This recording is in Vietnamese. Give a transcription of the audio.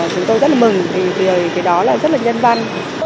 chúng tôi rất là mừng vì cái đó là rất là nhân văn